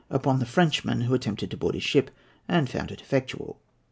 upon the Frenchmen who attempted to board his ship, and found it effectual."